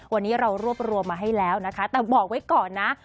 วันนี้เรารวบรวมมาให้แล้วนะคะแต่บอกไว้ก่อนนะ